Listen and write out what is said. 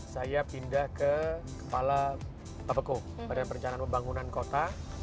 dua ribu delapan belas saya pindah ke kepala pabeko pada perencanaan pembangunan kota